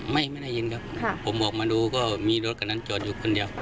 ไม่ไม่ได้ยินครับผมออกมาดูก็มีรถคนนั้นจอดอยู่คนเดียว